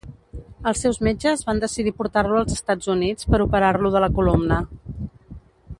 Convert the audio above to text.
Els seus metges van decidir portar-lo als Estats Units per operar-lo de la columna.